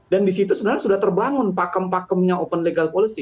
dan di situ sebenarnya sudah terbangun pakem pakemnya open legal policy